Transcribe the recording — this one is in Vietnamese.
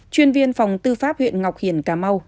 chuyên viên phòng tư pháp huyện ngọc hiển cà mau